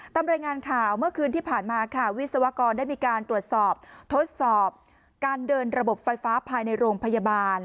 ตามรายงานข่าวเมื่อคืนที่ผ่านมาค่ะวิศวกรได้มีการตรวจสอบทดสอบการเดินระบบไฟฟ้าภายในโรงพยาบาล